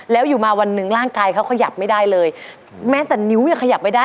แล้วอยู่มาวันหนึ่งร่างกายเขาขยับไม่ได้เลยแม้แต่นิ้วยังขยับไม่ได้